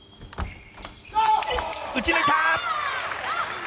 打ち抜いた！